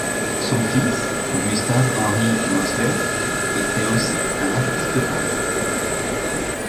Son fils, Gustave Henry Mosler était aussi un artiste peintre.